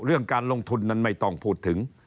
เรื่องการลงทุนนั้นไม่ต้องพูดถึง